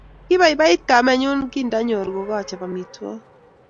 Kipaipait kamennyu kindanyor ko kaachop amitwogik